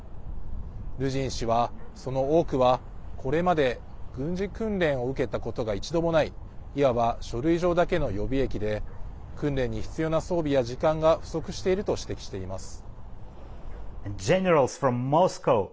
ルジン氏は、その多くはこれまで軍事訓練を受けたことが一度もないいわば書類上だけの予備役で訓練に必要な装備や時間が不足していると指摘しています。